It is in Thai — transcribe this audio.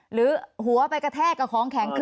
หรือหัวไปกระแทกกับของแข็งขึ้น